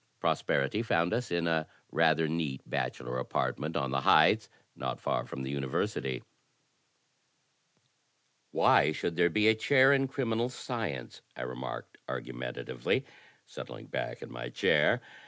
Prosperity fotmd us in a rather neat bachelor apart ment on the Heights, not far from the University. 82 THE TECHNIQUE OF THE MYSTERY STORY "Why should there be a chair in criminal science?" I remarked argumentatively, settling back in my chair.